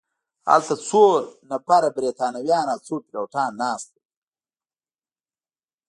هلته څو نفره بریتانویان او څو پیلوټان ناست ول.